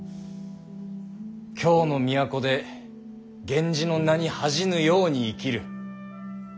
京の都で源氏の名に恥じぬように生きる。